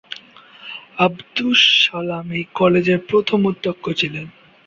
আবদুস সালাম এই কলেজের প্রথম অধ্যক্ষ ছিলেন।